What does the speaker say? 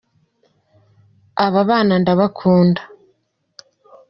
Aba bana ndabakunda